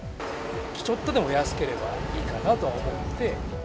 ちょっとでも安ければいいかなとは思って。